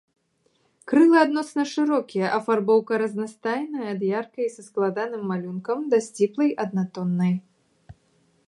Крылы адносна шырокія, афарбоўка разнастайная ад яркай са складаным малюнкам да сціплай, аднатоннай.